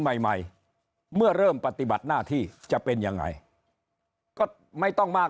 ใหม่ใหม่เมื่อเริ่มปฏิบัติหน้าที่จะเป็นยังไงก็ไม่ต้องมาก